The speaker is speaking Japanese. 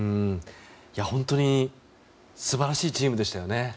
本当に素晴らしいチームでしたよね。